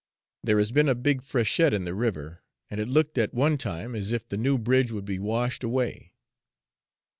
There has been a big freshet in the river, and it looked at one time as if the new bridge would be washed away.